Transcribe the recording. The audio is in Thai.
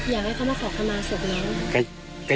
อยากให้เขามาขอคำมาสุขชนะ